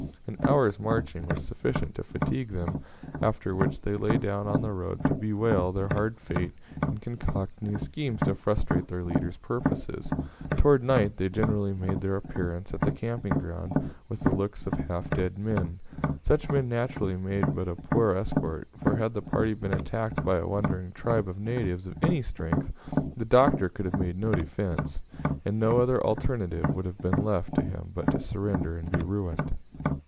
An hour's marching was sufficient to fatigue them, after which they lay down on the road to bewail their hard fate, and concoct new schemes to frustrate their leader's purposes. Towards night they generally made their appearance at the camping ground with the looks of half dead men. Such men naturally made but a poor escort; for, had the party been attacked by a wandering tribe of natives of any strength, the Doctor could have made no defence, and no other alternative would have been left to him but to surrender and be ruined.